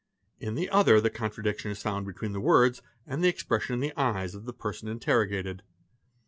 In the other the contradiction is found between the _ words and the expression in the eyes of the person interrogated.